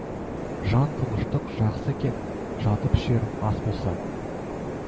Жан тыныштық жақсы екен, жатып ішер ас болса.